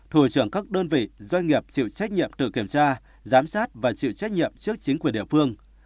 thủ trưởng các đơn vị doanh nghiệp chịu trách nhiệm tự kiểm tra giám sát và chịu trách nhiệm trước chính quyền địa phương